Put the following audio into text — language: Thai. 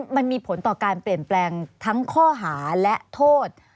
มันมีผลต่อการเปลี่ยนแปลงทั้งข้อหาและโทษ